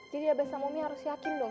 jadi abah sama umi harus yakin dong